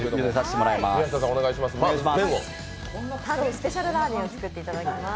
スペシャルラーメンを作っていただきます。